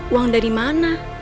uang dari mana